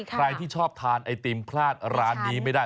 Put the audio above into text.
ใครที่ชอบทานไอติมพลาดร้านนี้ไม่ได้